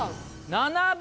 ７番。